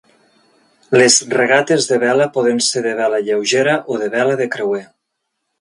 Les regates de vela poden ser de vela lleugera o de vela de creuer.